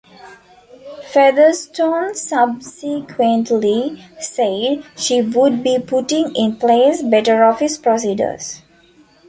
Featherstone subsequently said she would be putting in place "better office procedures".